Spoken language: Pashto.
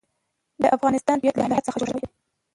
د افغانستان طبیعت له هرات څخه جوړ شوی دی.